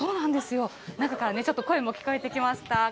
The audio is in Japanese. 中からちょっと声も聞こえてきました。